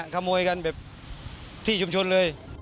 ขโมยกันที่ชุมชุนเลย